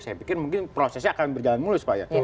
saya pikir mungkin prosesnya akan berjalan mulus pak ya